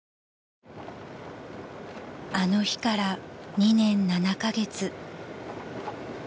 ［あの日から２年７カ月］